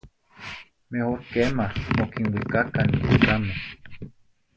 Mejor quema mo quinuicacan in ichcame.